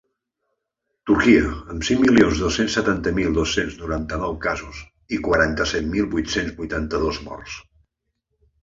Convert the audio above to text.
Turquia, amb cinc milions dos-cents setanta mil dos-cents noranta-nou casos i quaranta-set mil vuit-cents vuitanta-dos morts.